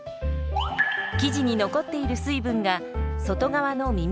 生地に残っている水分が外側のみみへ移るんだそう。